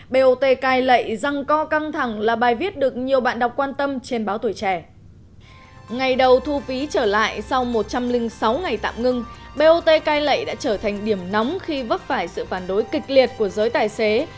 bot cai lệ răng co căng thẳng là bài viết được nhiều bạn đọc quan tâm trên báo tuổi trẻ